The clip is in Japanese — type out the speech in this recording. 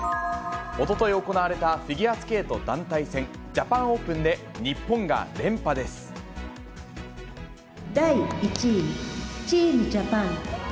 おととい行われたフィギュアスケート団体戦、ジャパンオープンで、第１位、チームジャパン。